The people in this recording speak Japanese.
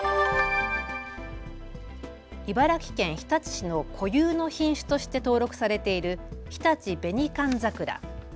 茨城県日立市の固有の品種として登録されている日立紅寒桜。